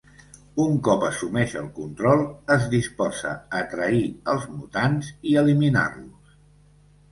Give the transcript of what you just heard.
Un cop assumeix el control, es disposa a trair els mutants i eliminar-los.